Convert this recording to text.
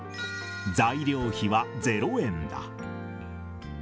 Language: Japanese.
材料費は０円だ。